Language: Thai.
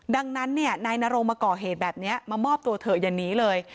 ดังนั้นนายนโรงมาก่อเหตุแบบนี้มามอบตัวเถอะอย่าหนีเลย